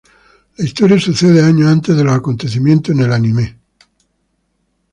La historia sucede años antes de los acontecimientos en el anime.